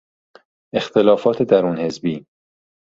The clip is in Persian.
اختلافات درون حزبی